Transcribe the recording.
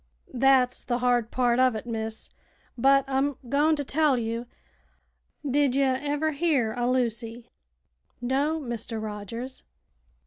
"Thet's the hard part uv it, miss; but I'm goin' to tell you. Did ye ever hear o' Lucy?" "No, Mr. Rogers."